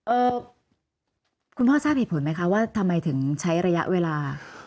เอ่อคุณพ่อทราบเหตุผลไหมคะว่าทำไมถึงใช้ระยะเวลา